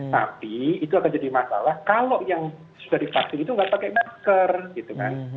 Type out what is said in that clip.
tapi itu akan jadi masalah kalau yang sudah divaksin itu nggak pakai masker gitu kan